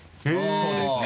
そうですね。